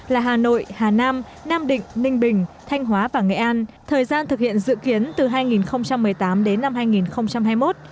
là hà nội hà nam nam định ninh bình thanh hóa và nghệ an thời gian thực hiện dự kiến từ hai nghìn một mươi tám đến năm hai nghìn hai mươi một